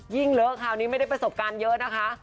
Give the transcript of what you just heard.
ยิ่งเหลือค่ะวันนี้ไม่ได้ประสบการณ์เยอะนะคะ